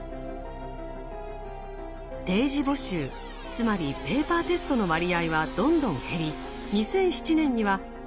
定時募集つまりペーパーテストの割合はどんどん減り２００７年には随時募集の人数が逆転。